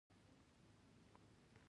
کورنۍ جګړه پر عادي چاره بدله شوې وه.